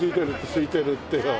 すいてるってよ。